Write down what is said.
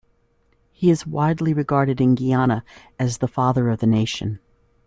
He is widely regarded in Guyana as the "Father of the Nation".